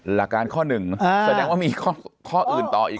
หลักการข้อหนึ่งแสดงว่ามีข้ออื่นต่ออีก